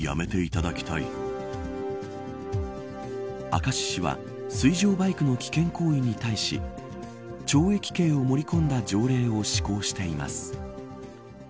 明石市は水上バイクの危険行為に対し懲役刑を盛り込んだ条例を施行しています。